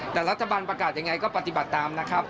แต่รัฐบาลประกาศยังไงก็ปฏิบัติตามนะครับ